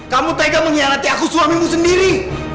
kamu tega mengkhianati aku suamimu sendiri